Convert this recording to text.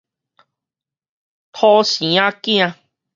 土生仔囝